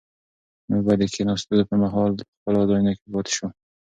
موږ باید د کښېناستو پر مهال په خپلو ځایونو کې پاتې شو.